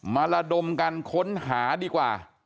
ระดมกันค้นหาดีกว่า